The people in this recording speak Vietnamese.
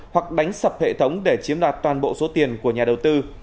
hoặc đánh sập hệ thống để chiếm đoạt toàn bộ số tiền của nhà đầu tư